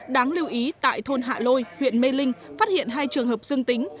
đáng lưu ý tại thôn hạ lôi huyện mê linh phát hiện hai trường hợp dương tính